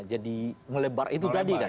melebar itu tadi kan